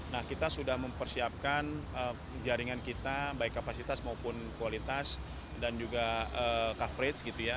nah kita sudah mempersiapkan jaringan kita baik kapasitas maupun kualitas dan juga coverage gitu ya